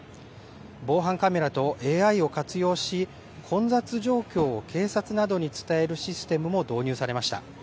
防犯カメラとＡＩを活用し、混雑状況を警察などに伝えるシステムも導入されました。